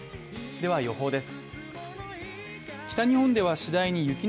では予報です。